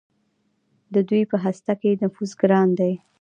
د دوی په هسته کې نفوذ ګران دی.